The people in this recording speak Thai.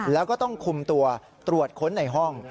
แล้วก็ต้องคุมตัวตรวจค้นในห้อง